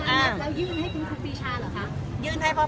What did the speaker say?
เห็นจังเลยว่า๓๓๗๒๖